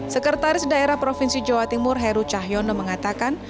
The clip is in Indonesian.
sekretaris daerah provinsi jawa timur heru cahyono mengatakan